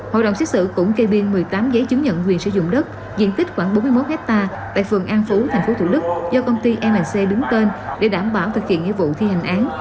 hội đồng xét xử cũng kê biên một mươi tám giấy chứng nhận quyền sử dụng đất diện tích khoảng bốn mươi một hectare tại phường an phú tp thủ đức do công ty nc đứng tên để đảm bảo thực hiện nghĩa vụ thi hành án